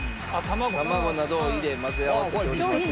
卵などを入れ混ぜ合わせております。